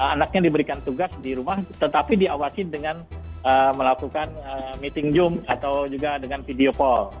anaknya diberikan tugas di rumah tetapi diawasi dengan melakukan meeting zoom atau juga dengan video call